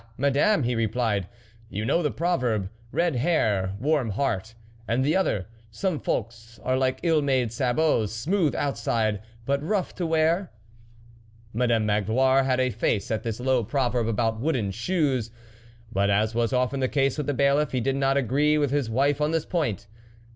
Madame," he replied, "you know the proverb :' Red hair, warm heart,' and the other :' Some folks are like ill made sabots, smooth outside, but rough to wear ?'" Madame Magloire made a face at this low proverb about wooden shoes, but, as was often the case with the Bailiff, he did not agree with his wife on this point.